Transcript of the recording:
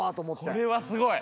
これはすごい！